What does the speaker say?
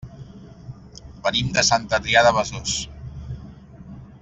Venim de Sant Adrià de Besòs.